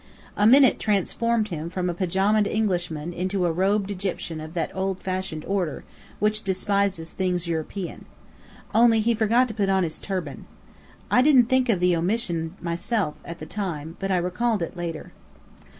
A minute transformed him from a pyjamaed Englishman into a robed Egyptian of that old fashioned order which despises things European. Only, he forgot to put on his turban. I didn't think of the omission myself at the time, but I recalled it later.